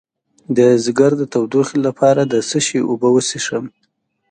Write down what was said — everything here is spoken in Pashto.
د ځیګر د تودوخې لپاره د څه شي اوبه وڅښم؟